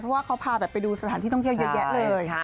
เพราะว่าเขาพาแบบไปดูสถานที่ท่องเที่ยวเยอะแยะเลย